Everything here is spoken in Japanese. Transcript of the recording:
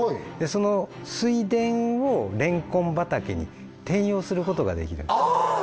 その水田をレンコン畑に転用することができるんですあ